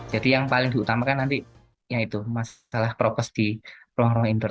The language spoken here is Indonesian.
yang paling diutamakan nanti ya itu masalah prokes di ruang ruang indoor